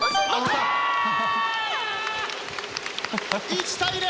１対０！